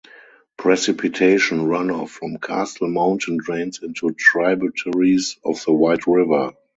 Precipitation runoff from Castle Mountain drains into tributaries of the White River.